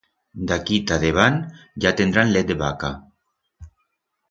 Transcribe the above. D'aquí ta debant ya tendrán let de vaca.